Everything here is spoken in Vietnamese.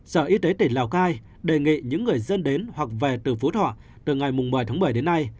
sở y tế tỉnh lào cai đề nghị những người dân đến hoặc về từ phú thọ từ ngày một mươi tháng bảy đến nay